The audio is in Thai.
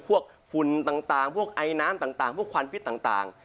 ฝุ่นต่างพวกไอน้ำต่างพวกควันพิษต่าง